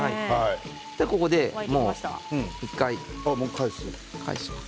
ここでもう１回返します。